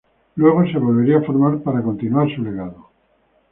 Luego, se volvería a formar para continuar su legado.